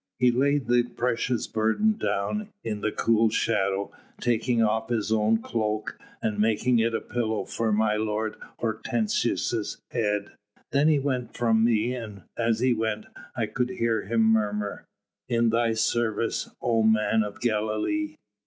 He laid the precious burden down in the cool shadow, taking off his own cloak and making of it a pillow for my lord Hortensius' head. Then he went from me, and as he went I could hear him murmur: 'In Thy service, oh Man of Galilee.'"